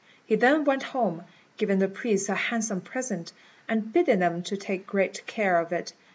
He then went home, giving the priests a handsome present, and bidding them take great care of it.